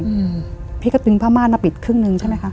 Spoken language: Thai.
ตอนไหนอืมพี่กระตึงผ้าม่านละปิดครึ่งนึงใช่ไหมคะ